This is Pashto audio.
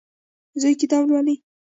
زوی کتاب لولي.